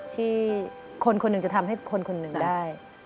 ที่คนคนหนึ่งจะทำให้คนคนหนึ่งได้